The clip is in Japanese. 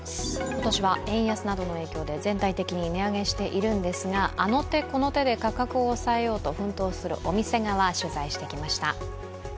今年は円安などの影響で全体的に値上げしているんですが、あの手この手で価格を抑えようと奮闘するお店側、取材してきました。